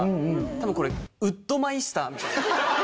多分これウッドマイスターみたいな。